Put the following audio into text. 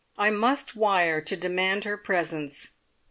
I must wire to demand her presence.